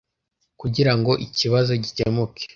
kugira ngo ikibazo gikemuke.